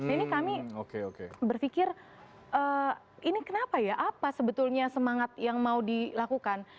ini kami berpikir ini kenapa ya apa sebetulnya semangat yang mau dilakukan